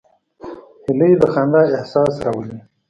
هیلۍ د خندا احساس راولي